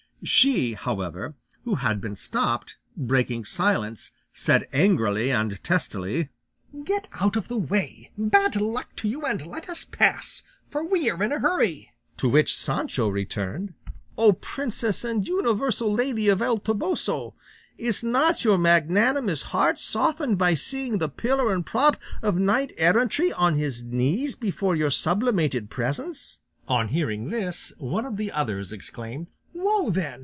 She, however, who had been stopped, breaking silence, said angrily and testily, "Get out of the way, bad luck to you, and let us pass, for we are in a hurry." To which Sancho returned, "Oh, princess and universal lady of El Toboso, is not your magnanimous heart softened by seeing the pillar and prop of knight errantry on his knees before your sublimated presence?" On hearing this, one of the others exclaimed, "Woa then!